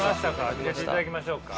見せていただきましょうか。